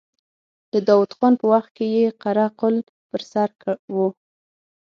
د داود خان په وخت کې يې قره قل پر سر و.